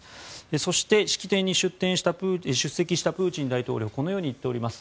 そして、式典に出席したプーチン大統領はこのように言っております。